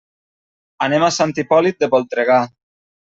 Anem a Sant Hipòlit de Voltregà.